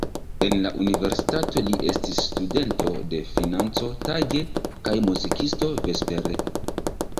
En la universitato li estis studento de financo tage kaj muzikisto vespere.